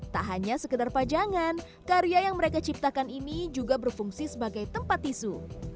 tak hanya sekedar pajangan karya yang mereka ciptakan ini juga berfungsi sebagai tempat tisu